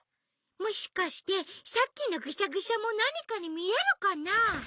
もしかしてさっきのグシャグシャもなにかにみえるかなあ？